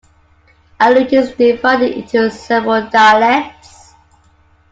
Aleut is divided into several dialects.